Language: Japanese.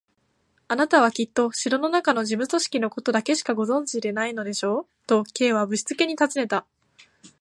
「あなたはきっと城のなかの事務組織のことだけしかご存じでないのでしょう？」と、Ｋ はぶしつけにたずねた。